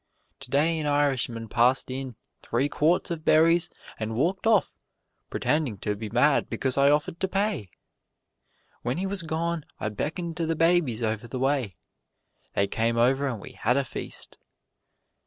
Today an Irishman passed in three quarts of berries and walked off pretending to be mad because I offered to pay. When he was gone, I beckoned to the babies over the way they came over and we had a feast.